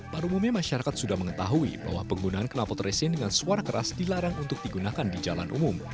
pada umumnya masyarakat sudah mengetahui bahwa penggunaan kenalpot tracing dengan suara keras dilarang untuk digunakan di jalan umum